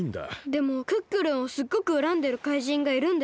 でもクックルンをすっごくうらんでる怪人がいるんだよね？